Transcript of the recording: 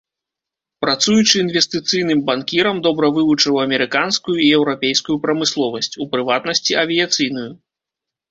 Працуючы інвестыцыйным банкірам добра вывучыў амерыканскую і еўрапейскую прамысловасць, у прыватнасці, авіяцыйную.